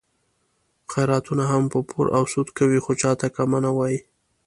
خیراتونه هم په پور او سود کوي، خو چاته کمه نه وایي.